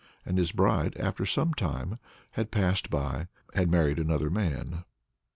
And his bride, after some time had passed by, had married another man.